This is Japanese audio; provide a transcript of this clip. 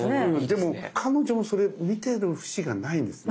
でも彼女もそれ見てる節がないんです。